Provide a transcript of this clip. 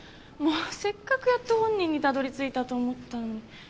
もうせっかくやっと本人にたどり着いたと思ったのに。